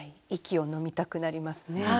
息をのみたくなりますね。